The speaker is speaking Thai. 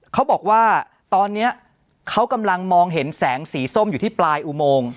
เขาบอกว่าตอนนี้เขากำลังมองเห็นแสงสีส้มอยู่ที่ปลายอุโมง